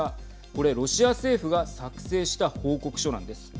これ、ロシア政府が作成した報告書なんです。